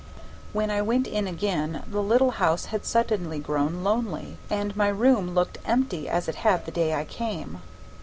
When I went in again the little house had suddenly grown lonely, and my room looked empty as it had the day I came.